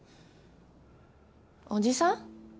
おじさん？